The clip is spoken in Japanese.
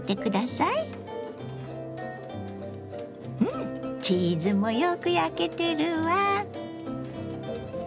うんチーズもよく焼けてるわ！